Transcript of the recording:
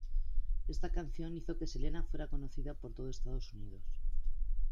Esta canción hizo que Selena fuera conocida por todo Estados Unidos.